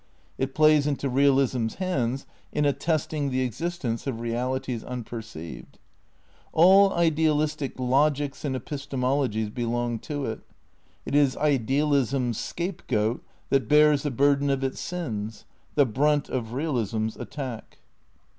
It plays into realism's hands in attesting the existence of realities unperceived. All idealistic logics and epistemologies belong to it. It is idealism's scapegoat that bears the burden of its sins, the brunt of realism's attack.